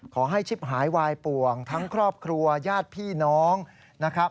ขอให้ชิบหายวายป่วงทั้งครอบครัวญาติพี่น้องนะครับ